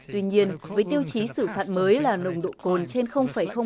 tuy nhiên với tiêu chí sự phạt mới là nồng độ cồn trên không khí